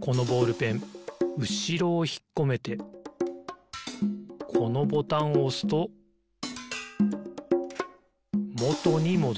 このボールペンうしろをひっこめてこのボタンをおすともとにもどる。